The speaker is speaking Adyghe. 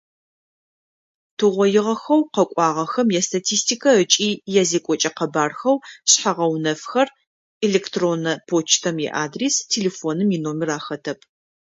Тыугъоигъэхэу къэкӏуагъэхэм ястатистикэ ыкӏи язекӏокӏэ къэбархэу шъхьэ-гъэунэфхэр: электроннэ почтэм иадрес, телефоным иномер ахэтэп.